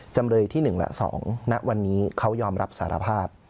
จำเลยที่๑และ๒ณวันนี้เขายอมรับสารภาพ